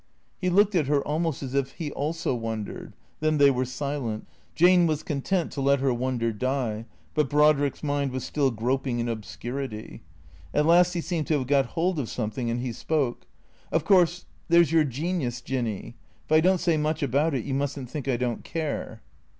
He looked at her almost as if he also wondered. Then they were silent. Jane was content to let her wonder die, but Brod rick's mind was still groping in obscurity. At last he seemed to have got hold of something, and he spoke. " Of course, there 's your genius, Jinny. If I don't say much about it, you must n't think I don't care."